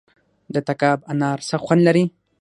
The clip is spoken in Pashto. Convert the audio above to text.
د تګاب انار څه خوند لري؟